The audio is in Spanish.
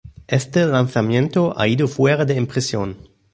Este lanzamiento ha ido fuera de impresión.